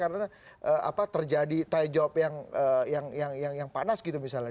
karena terjadi tanya jawab yang panas gitu misalnya